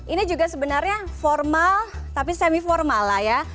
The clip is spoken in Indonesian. ini juga sebenarnya formal tapi semi formal lah ya